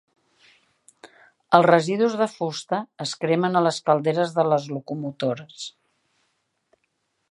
Els residus de fusta es cremen a les calderes de les locomotores.